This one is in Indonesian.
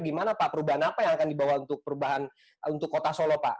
gimana pak perubahan apa yang akan dibawa untuk perubahan untuk kota solo pak